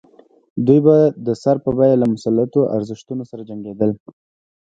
دوی به د سر په بیه له مسلطو ارزښتونو سره جنګېدل.